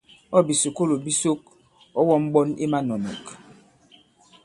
Ɔ̂ bìsùkulù bi sok, ɔ̀ wɔm ɓɔn i manɔ̀nɔ̀k.